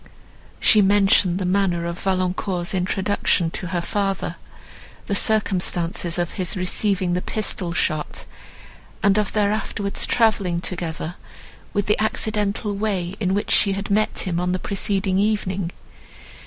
She mentioned the manner of Valancourt's introduction to her father; the circumstances of his receiving the pistol shot, and of their afterwards travelling together; with the accidental way, in which she had met him, on the preceding evening.